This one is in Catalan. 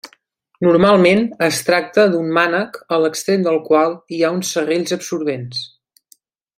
Normalment es tracta d'un mànec a l'extrem del qual hi ha uns serrells absorbents.